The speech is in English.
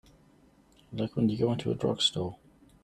Like when you go into a drugstore.